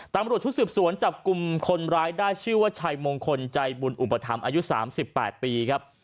ตำรวจชุดสืบสวนจับกลุ่มคนร้ายได้ชื่อว่าชัยมงคลใจบุญอุปถัมภ์อายุ๓๘ปีครับ